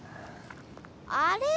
あれ？